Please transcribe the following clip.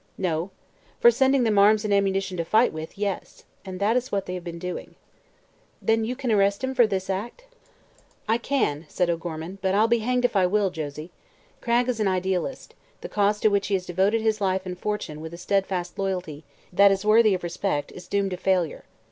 "No; for sending them arms and ammunition to fight with, yes. And that is what they have been doing." "Then you can arrest him for this act?" "I can," said O'Gorman, "but I'll be hanged if I will, Josie. Cragg is an idealist; the cause to which he has devoted his life and fortune with a steadfast loyalty that is worthy of respect, is doomed to failure.